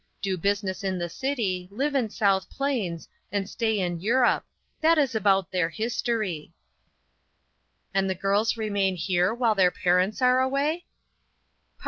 Do business in the city, live in South Plains, and stay in Europe ; that is about their history." "And the girls remain here while their parents are away